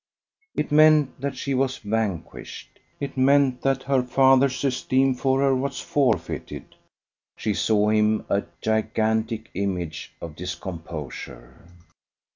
It meant that she was vanquished. It meant that her father's esteem for her was forfeited. She saw him a gigantic image of discomposure.